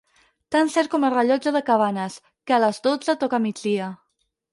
Tan cert com el rellotge de Cabanes, que a les dotze toca migdia.